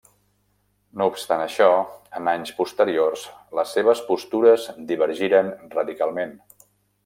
No obstant això, en anys posteriors les seves postures divergiren radicalment.